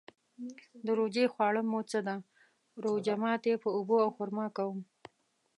د روژې خواړه مو څه ده؟ روژه ماتی په اوبو او خرما کوم